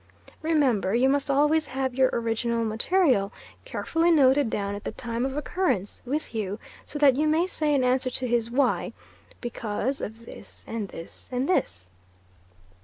Remember, you must always have your original material carefully noted down at the time of occurrence with you, so that you may say in answer to his Why? Because of this, and this, and this.